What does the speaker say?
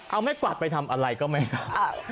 เอาไม่ปัดไปทำอะไรก็ไม่ทราบ